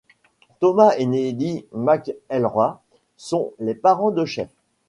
Thomas et Nellie McElroy sont les parents de Chef.